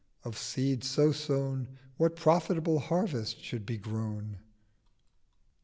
Of seed so sown 840 What profitable Harvest should be grown?'